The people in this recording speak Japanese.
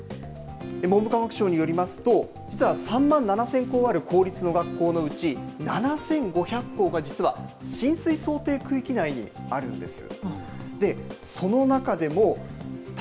文部科学省によりますと、３万７０００校ある公立の学校のうち、７５００校が、実は浸水想定区域内にあるんです。